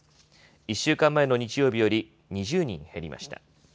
１週間前の日曜日より２０人減りました。